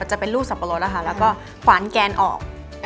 จะเป็นรูปสับปะรดนะคะแล้วก็ฝันแกนออก